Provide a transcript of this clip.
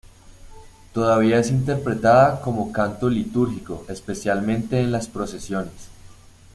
Todavía es interpretada como canto litúrgico, especialmente en las procesiones.